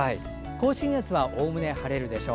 甲信越はおおむね晴れるでしょう。